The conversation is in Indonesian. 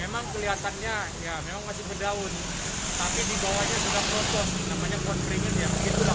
memang kelihatannya ya memang masih berdaun tapi dibawahnya juga protos namanya pohon beringin ya